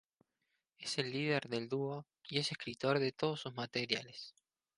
Es el líder del dúo y es el escritor de todos sus materiales.